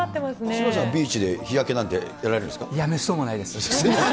渋谷さんはビーチで日焼けないや、めっそうもないです。